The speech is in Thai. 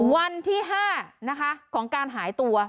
วันที่๕นะคะของการหายตัว